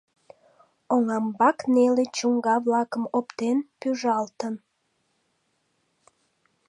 Оҥамбак неле чуҥга-влакым оптен, пӱжалтын.